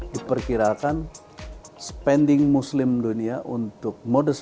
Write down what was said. diperkirakan spending muslim dunia untuk modus